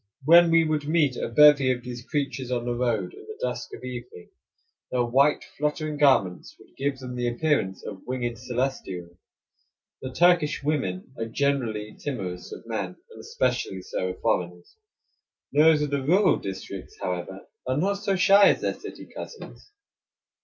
When we would meet a bevy of these creatures on the road in the dusk of evening, their white, fluttering garments would give them the appearance of winged celestials. The Turkish women are generally timorous of men, and especially so of foreigners. Those of the rural districts, however, are not so shy as their city cousins.